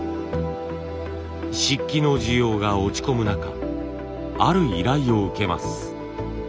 漆器の需要が落ち込む中ある依頼を受けます。